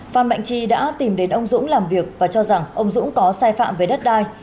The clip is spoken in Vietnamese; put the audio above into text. phan mạnh chi đã tìm đến ông dũng làm việc và cho rằng ông dũng có sai phạm về đất đai